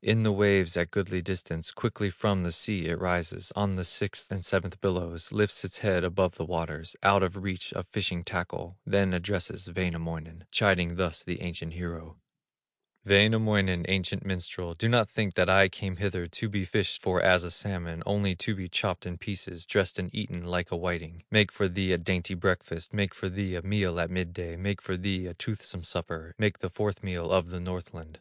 In the waves at goodly distance, Quickly from the sea it rises On the sixth and seventh billows, Lifts its head above the waters, Out of reach of fishing tackle, Then addresses Wainamoinen, Chiding thus the ancient hero: "Wainamoinen, ancient minstrel, Do not think that I came hither To be fished for as a salmon, Only to be chopped in pieces, Dressed and eaten like a whiting Make for thee a dainty breakfast, Make for thee a meal at midday, Make for thee a toothsome supper, Make the fourth meal of the Northland."